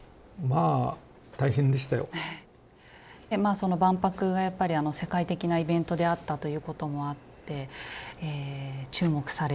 その万博がやっぱり世界的なイベントであったということもあって注目される。